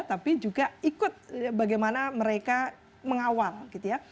tapi juga ikut bagaimana mereka mengawal gitu ya